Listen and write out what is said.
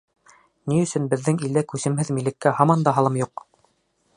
Ни өсөн беҙҙең илдә күсемһеҙ милеккә һаман да һалым юҡ?